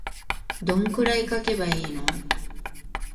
どんくらい書けばいいの